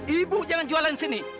ibu jangan jualan sini